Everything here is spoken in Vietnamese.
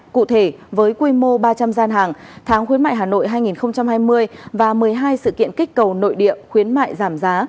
cụ thể với quy mô ba trăm linh gian hàng tháng khuyến mại hà nội hai nghìn hai mươi và một mươi hai sự kiện kích cầu nội địa khuyến mại giảm giá